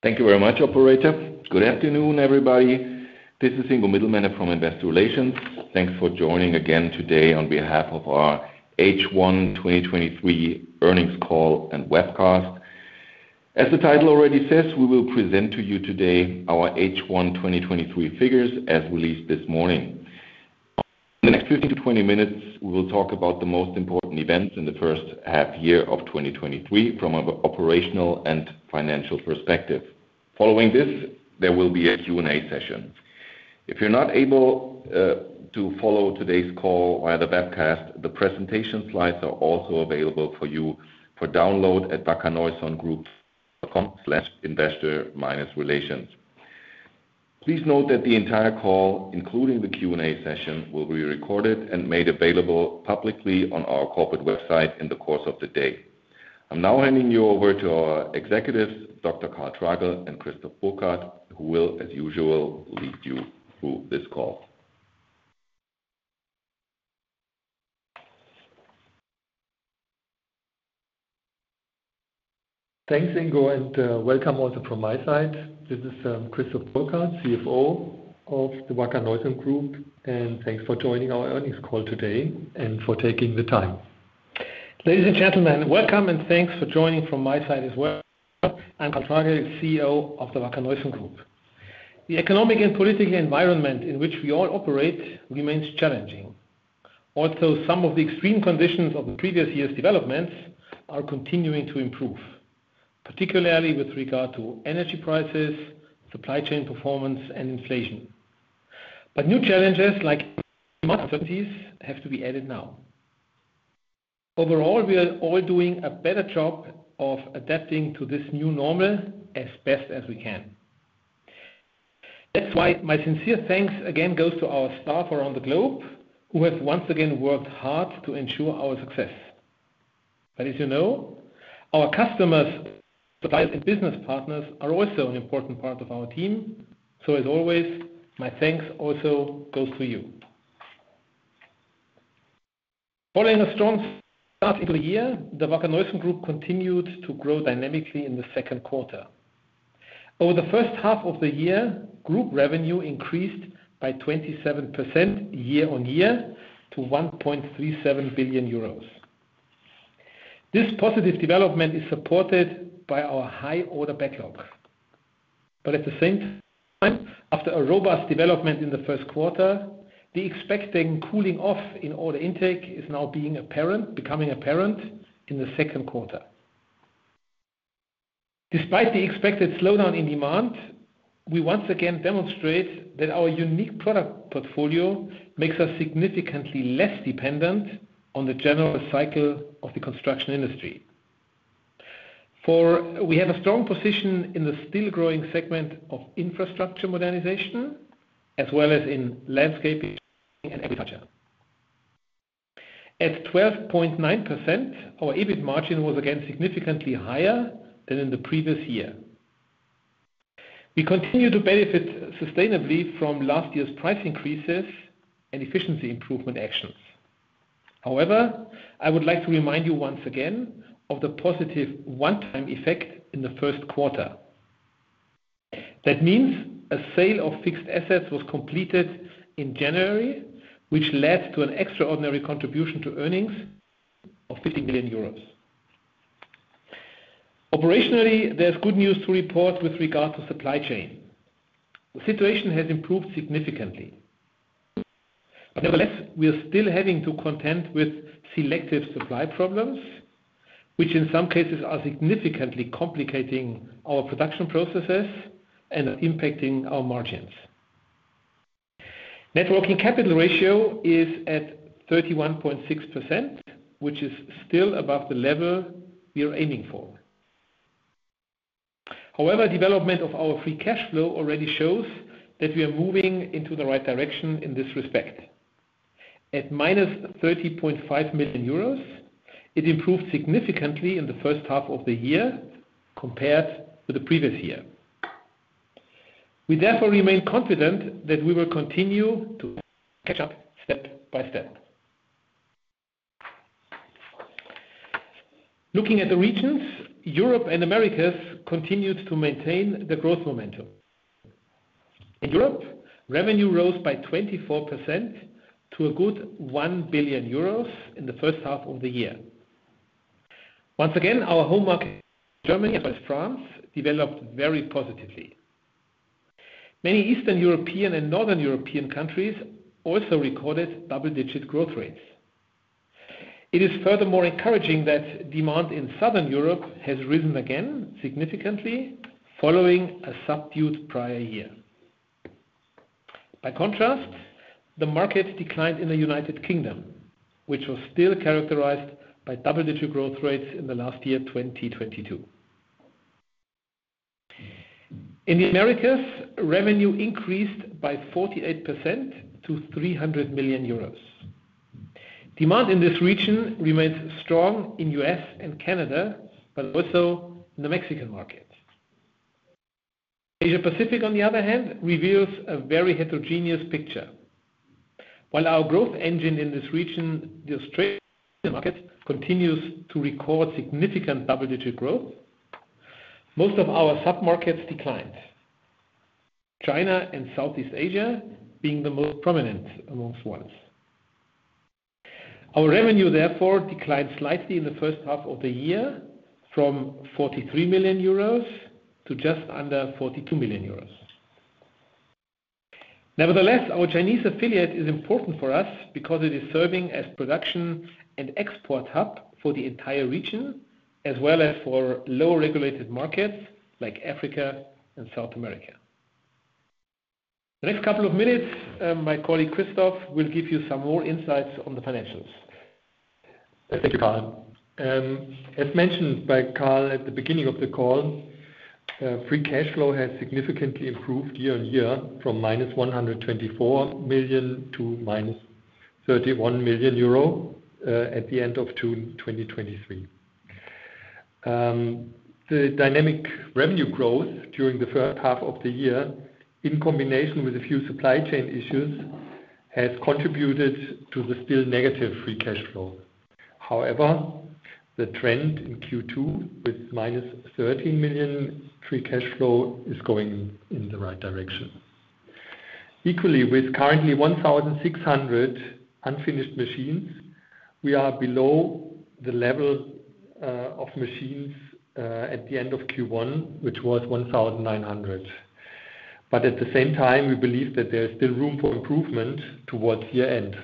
Thank you very much, operator. Good afternoon, everybody. This is Ingo Middelmenne from Investor Relations. Thanks for joining again today on behalf of our H1 2023 earnings call and webcast. The title already says, we will present to you today our H1 2023 figures, as released this morning. In the next 15-20 minutes, we will talk about the most important events in the first half year of 2023 from an operational and financial perspective. Following this, there will be a Q&A session. If you're not able to follow today's call via the webcast, the presentation slides are also available for you for download at wackerneusongroup.com/investor-relations. Please note that the entire call, including the Q&A session, will be recorded and made available publicly on our corporate website in the course of the day. I'm now handing you over to our executives, Dr. Karl Tragl. Karl Tragl and Christoph Burkhard, who will, as usual, lead you through this call. Thanks, Ingo, and welcome also from my side. This is Christoph Burkhard, CFO of the Wacker Neuson Group, and thanks for joining our earnings call today and for taking the time. Ladies and gentlemen, welcome and thanks for joining from my side as well. I'm Karl Tragl, CEO of the Wacker Neuson Group. The economic and political environment in which we all operate remains challenging. Some of the extreme conditions of the previous year's developments are continuing to improve, particularly with regard to energy prices, supply chain performance, and inflation. New challenges like uncertainties, have to be added now. Overall, we are all doing a better job of adapting to this new normal as best as we can. That's why my sincere thanks again, goes to our staff around the globe, who have once again worked hard to ensure our success. As you know, our customers, suppliers, and business partners are also an important part of our team. As always, my thanks also goes to you. Following a strong start to the year, the Wacker Neuson Group continued to grow dynamically in the second quarter. Over the first half of the year, group revenue increased by 27% year-on-year to 1.37 billion euros. This positive development is supported by our high order backlog. At the same time, after a robust development in the first quarter, the expecting cooling off in order intake is now becoming apparent in the second quarter. Despite the expected slowdown in demand, we once again demonstrate that our unique product portfolio makes us significantly less dependent on the general cycle of the construction industry. We have a strong position in the still growing segment of infrastructure modernization, as well as in landscaping and agriculture. At 12.9%, our EBIT margin was again, significantly higher than in the previous year. We continue to benefit sustainably from last year's price increases and efficiency improvement actions. However, I would like to remind you once again of the positive one-time effect in the first quarter. That means a sale of fixed assets was completed in January, which led to an extraordinary contribution to earnings of 50 million euros. Operationally, there's good news to report with regard to supply chain. The situation has improved significantly. Nevertheless, we are still having to contend with selective supply problems, which in some cases are significantly complicating our production processes and impacting our margins. Net working capital ratio is at 31.6%, which is still above the level we are aiming for. However, development of our free cash flow already shows that we are moving into the right direction in this respect. At -30.5 million euros, it improved significantly in the first half of the year compared to the previous year. We therefore remain confident that we will continue to catch up step by step. Looking at the regions, Europe and Americas continued to maintain the growth momentum. In Europe, revenue rose by 24% to a good 1 billion euros in the first half of the year. Once again, our home market, Germany, as well as France, developed very positively. Many Eastern European and Northern European countries also recorded double-digit growth rates. It is furthermore encouraging that demand in Southern Europe has risen again significantly following a subdued prior year. By contrast, the market declined in the United Kingdom, which was still characterized by double-digit growth rates in the last year, 2022. In the Americas, revenue increased by 48% to 300 million euros. Demand in this region remained strong in US and Canada, but also in the Mexican market. Asia Pacific, on the other hand, reveals a very heterogeneous picture. While our growth engine in this region, the Australian market, continues to record significant double-digit growth, most of our sub-markets declined. China and Southeast Asia being the most prominent amongst ones. Our revenue, therefore, declined slightly in the first half of the year from 43 million euros to just under 42 million euros. Nevertheless, our Chinese affiliate is important for us because it is serving as production and export hub for the entire region, as well as for low-regulated markets like Africa and South America. The next couple of minutes, my colleague, Christoph, will give you some more insights on the financials. Thank you, Karl. As mentioned by Karl at the beginning of the call, free cash flow has significantly improved year-on-year from -124 million to -31 million euro at the end of June 2023. The dynamic revenue growth during the first half of the year, in combination with a few supply chain issues, has contributed to the still negative free cash flow. However, the trend in Q2, with -13 million free cash flow, is going in the right direction. Equally, with currently 1,600 unfinished machines, we are below the level of machines at the end of Q1, which was 1,900. At the same time, we believe that there is still room for improvement towards year-end.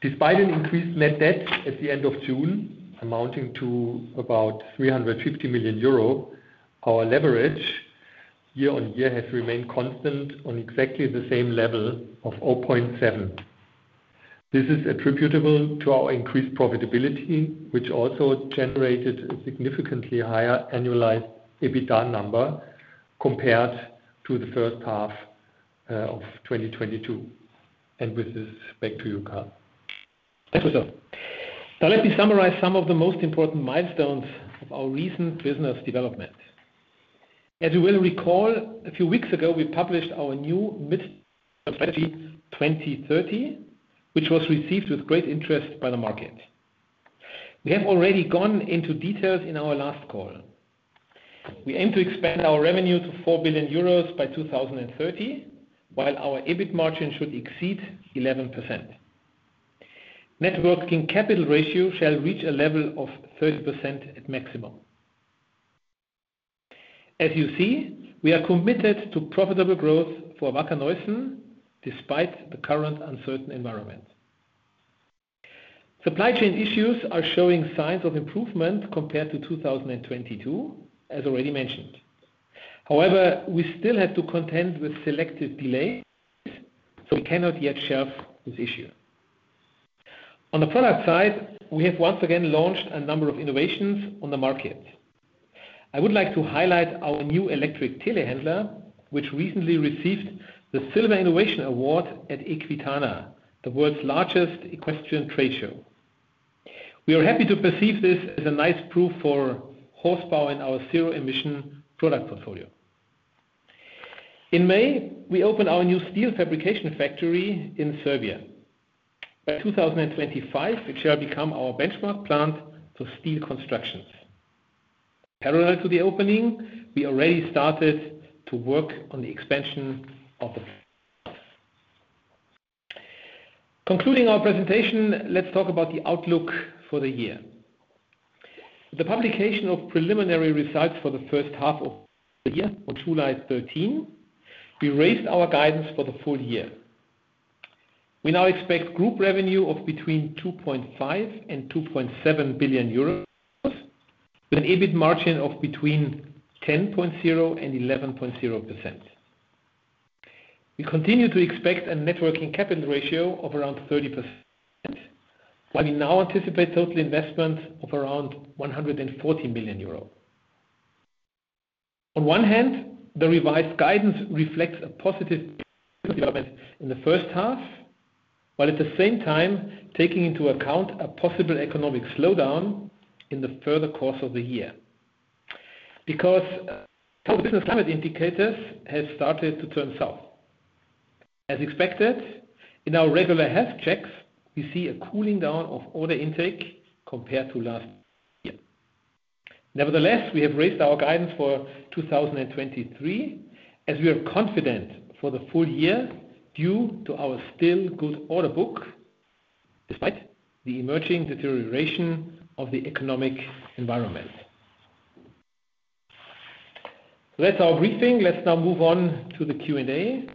Despite an increased net debt at the end of June, amounting to about 350 million euro, our leverage year-on-year has remained constant on exactly the same level of 0.7. This is attributable to our increased profitability, which also generated a significantly higher annualized EBITDA number compared to the first half of 2022. With this, back to you, Karl. Thank you, Christoph. Now, let me summarize some of the most important milestones of our recent business development. As you well recall, a few weeks ago, we published our new mid strategy, 2030, which was received with great interest by the market. We have already gone into details in our last call. We aim to expand our revenue to 4 billion euros by 2030, while our EBIT margin should exceed 11%. Net working capital ratio shall reach a level of 30% at maximum. As you see, we are committed to profitable growth for Wacker Neuson, despite the current uncertain environment. Supply chain issues are showing signs of improvement compared to 2022, as already mentioned. However, we still have to contend with selective delays, so we cannot yet shelf this issue. On the product side, we have once again launched a number of innovations on the market. I would like to highlight our new electric telehandler, which recently received the Silver Innovation Award at EQUITANA, the world's largest equestrian trade show. We are happy to perceive this as a nice proof for horsepower in our zero emission product portfolio. In May, we opened our new steel fabrication factory in Serbia. By 2025, it shall become our benchmark plant for steel constructions. Parallel to the opening, we already started to work on the expansion of the. Concluding our presentation, let's talk about the outlook for the year. The publication of preliminary results for the first half of the year on July 13, we raised our guidance for the full year. We now expect group revenue of between 2.5 billion and 2.7 billion euros, with an EBIT margin of between 10.0% and 11.0%. We continue to expect a net working capital ratio of around 30%, while we now anticipate total investment of around 140 million euros. On one hand, the revised guidance reflects a positive development in the first half, while at the same time taking into account a possible economic slowdown in the further course of the year. Business climate indicators have started to turn south. As expected, in our regular health checks, we see a cooling down of order intake compared to last year. Nevertheless, we have raised our guidance for 2023, as we are confident for the full year due to our still good order book, despite the emerging deterioration of the economic environment. That's our briefing. Let's now move on to the Q&A.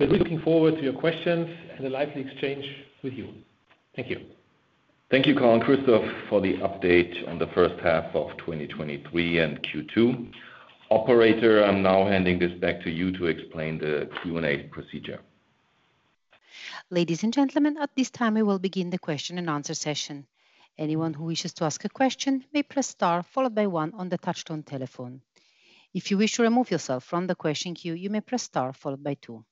We're looking forward to your questions and a lively exchange with you. Thank you. Thank you, Karl and Christoph, for the update on the first half of 2023 and Q2. Operator, I'm now handing this back to you to explain the Q&A procedure. Ladies and gentlemen, at this time, we will begin the question and answer session. Anyone who wishes to ask a question may press Star, followed by one on the touchtone telephone. If you wish to remove yourself from the question queue, you may press Star, followed by two.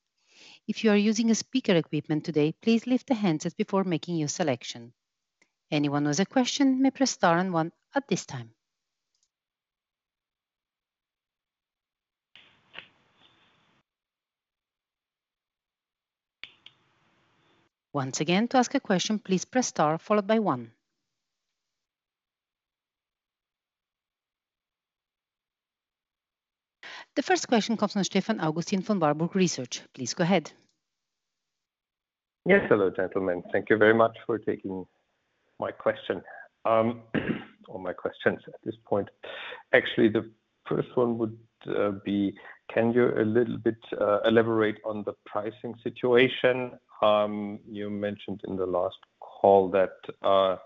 If you are using a speaker equipment today, please lift the handset before making your selection. Anyone with a question may press Star and one at this time. Once again, to ask a question, please press Star followed by one. The first question comes from Stefan Augustin from Warburg Research. Please go ahead. Yes. Hello, gentlemen. Thank you very much for taking my question, or my questions at this point. Actually, the first one would be, can you a little bit elaborate on the pricing situation? You mentioned in the last call that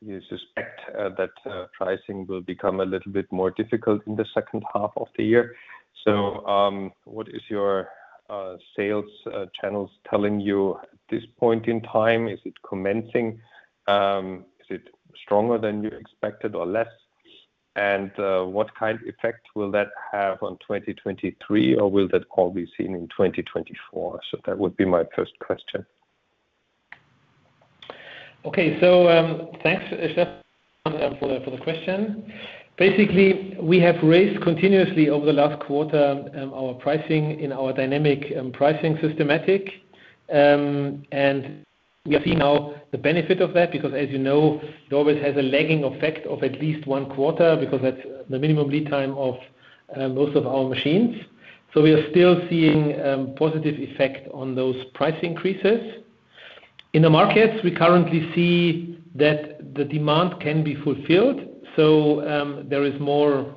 you suspect that pricing will become a little bit more difficult in the second half of the year. What is your sales channels telling you at this point in time? Is it commencing? Is it stronger than you expected or less? What kind of effect will that have on 2023, or will that all be seen in 2024? That would be my first question. Okay. Thanks, Stefan, for the question. Basically, we have raised continuously over the last quarter, our pricing in our dynamic pricing systematic. We are seeing now the benefit of that, because as you know, it always has a lagging effect of at least one quarter, because that's the minimum lead time of most of our machines. We are still seeing positive effect on those price increases. In the markets, we currently see that the demand can be fulfilled, so there is more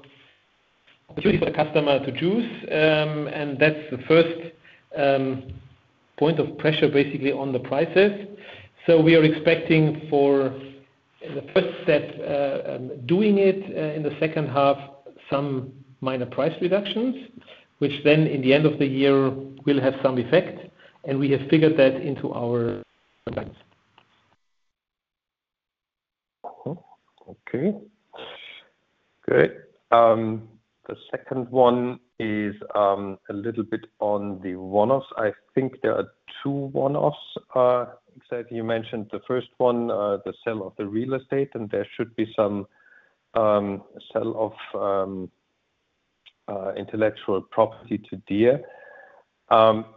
opportunity for the customer to choose. That's the first point of pressure, basically, on the prices. We are expecting for the first step, doing it in the second half, some minor price reductions, which then in the end of the year will have some effect, and we have figured that into our effects. Okay. Great. The second one is a little bit on the one-offs. I think there are two one-offs. You mentioned the first one, the sale of the real estate, and there should be some sale of intellectual property to Deere.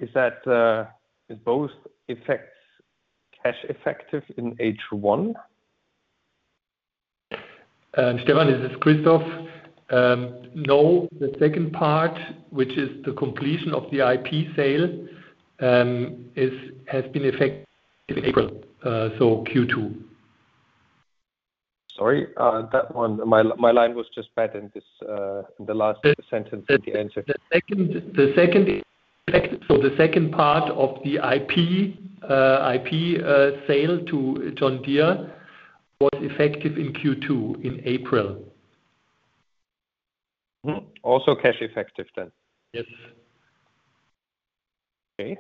Is that, is both effects cash effective in H1? Stefan, this is Christoph. No, the second part, which is the completion of the IP sale, is, has been effective in April, so Q2. Sorry, that one my line was just bad in this, in the last sentence of the answer. The, the second, the second effect, so the second part of the IP, IP, sale to John Deere was effective in Q2, in April. Mm-hmm. Also, cash effective then? Yes. Okay.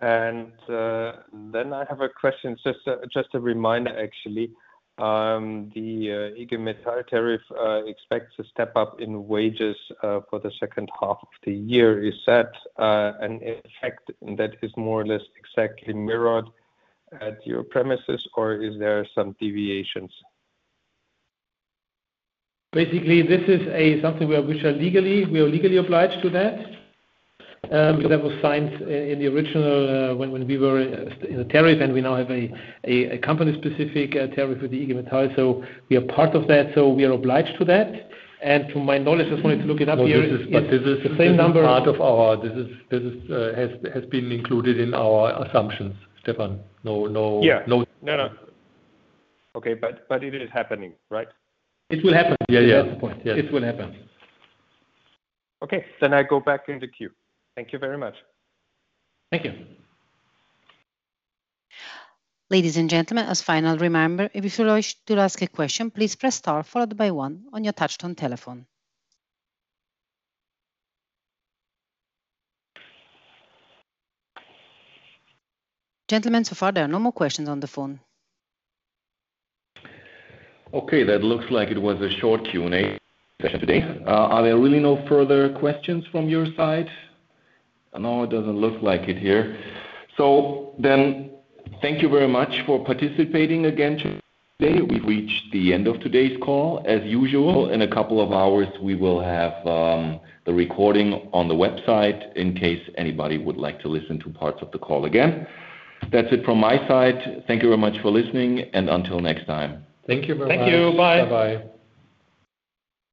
Then I have a question, just a, just a reminder, actually. The IG Metall tariff expects a step up in wages for the second half of the year. Is that an effect that is more or less exactly mirrored at your premises, or is there some deviations? Basically, this is a, something where we are legally, we are legally obliged to that. That was signed in the original, when we were in a tariff, and we now have a company-specific tariff with the IG Metall. We are part of that, so we are obliged to that. To my knowledge, I just wanted to look it up here. No, this is, but this is... The same number-. Part of our... This is, has been included in our assumptions, Stefan. No, no. Yeah. No. No, no. Okay, but, but it is happening, right? It will happen. Yeah, yeah. That's the point. Yes. It will happen. Okay, I go back in the queue. Thank you very much. Thank you. Ladies and gentlemen, as final reminder, if you would like to ask a question, please press star, followed by one on your touch-tone telephone. Gentlemen, so far, there are no more questions on the phone. Okay, that looks like it was a short Q&A session today. Are there really no further questions from your side? No, it doesn't look like it here. Thank you very much for participating again today. We've reached the end of today's call. As usual, in a couple of hours, we will have the recording on the website in case anybody would like to listen to parts of the call again. That's it from my side. Thank you very much for listening, and until next time. Thank you very much. Thank you. Bye. Bye-bye.